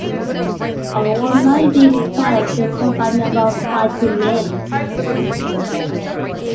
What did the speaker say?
Or one might be required to provide a number of fighting men.